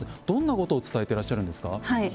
どんなことを伝えてらっしゃるんですか？